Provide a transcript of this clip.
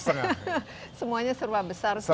semuanya serba besar